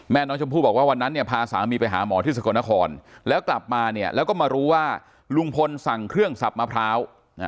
แม่น้องชมพู่บอกว่าวันนั้นเนี่ยพาสามีไปหาหมอที่สกลนครแล้วกลับมาเนี่ยแล้วก็มารู้ว่าลุงพลสั่งเครื่องสับมะพร้าว